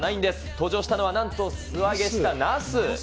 登場したのはなんと、素揚げしたナス。